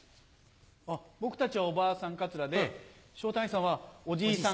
あっ僕たちはおばあさんカツラで昇太兄さんはおじいさん